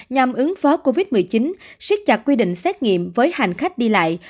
nhằm ứng phó covid một mươi chín siết chặt quy định xét nghiệm với hành khách đi lại